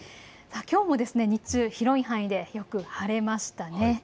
きょうも日中広い範囲でよく晴れました。